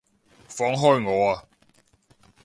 放開我啊！